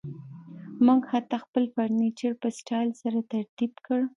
موږ حتی خپل فرنیچر په سټایل سره ترتیب کړ